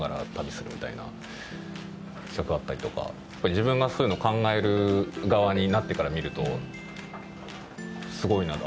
自分がそういうのを考える側になってから見るとすごいなと。